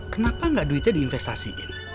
kenapa nggak duitnya diinvestasiin